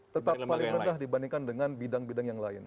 tetap paling rendah dibandingkan dengan bidang bidang yang lain